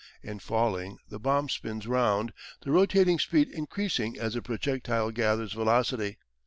In falling the bomb spins round, the rotating speed increasing as the projectile gathers velocity.